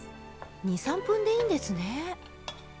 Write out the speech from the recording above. ２３分でいいんですね。